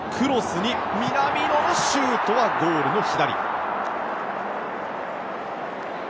クロスに南野のシュートはゴールの左。